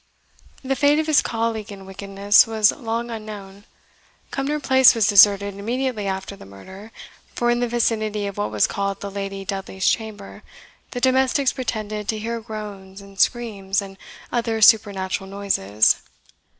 The fate of his colleague in wickedness was long unknown. Cumnor Place was deserted immediately after the murder; for in the vicinity of what was called the Lady Dudley's Chamber, the domestics pretended to hear groans, and screams, and other supernatural noises.